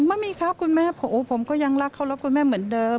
ไม่มีครับคุณแม่ผมก็ยังรักเคารพคุณแม่เหมือนเดิม